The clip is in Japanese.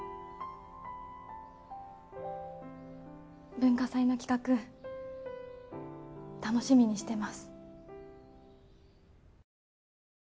文化祭の企画楽しみにしてます。